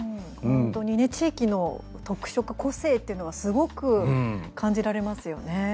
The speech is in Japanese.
本当にね、地域の特色個性というのがすごく感じられますよね。